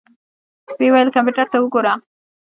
ويې ويل کمپيوټر ته وګوره.